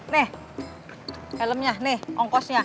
nih helmnya nih ongkosnya